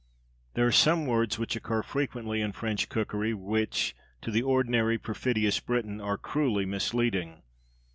There are some words which occur frequently in French cookery which, to the ordinary perfidious Briton, are cruelly misleading.